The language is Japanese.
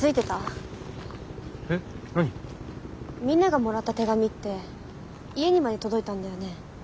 みんながもらった手紙って家にまで届いたんだよね？